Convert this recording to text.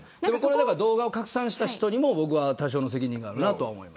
動画を拡散した人にも多少の責任があると思います。